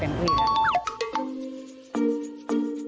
คือนายอัศพรบวรวาชัยครับ